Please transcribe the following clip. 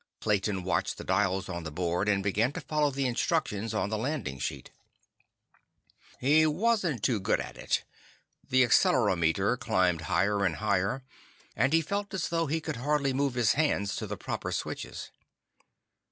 Clayton watched the dials on the board, and began to follow the instructions on the landing sheet. He wasn't too good at it. The accelerometer climbed higher and higher, and he felt as though he could hardly move his hands to the proper switches.